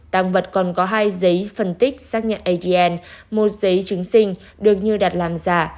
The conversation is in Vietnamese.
tăng vật còn có hai giấy phân tích xác nhận adn một giấy chứng sinh được như đặt làm giả